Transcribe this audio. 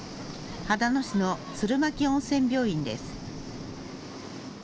秦野市の鶴巻温泉病院です。